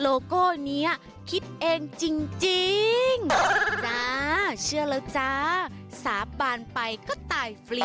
โลโก้นี้คิดเองจริงจ้าเชื่อแล้วจ้าสาบานไปก็ตายฟรี